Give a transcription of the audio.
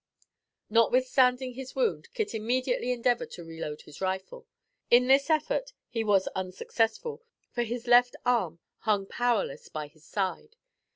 Notwithstanding his wound Kit immediately endeavored to reload his rifle. In this effort he was unsuccessful, for his left arm hung powerless by his side.